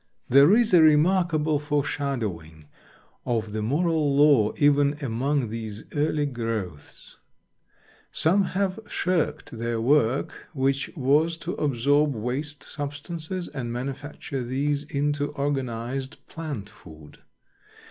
There is a remarkable foreshadowing of the moral law even among these early growths. Some have shirked their work, which was to absorb waste substances, and manufacture these into organized plant food.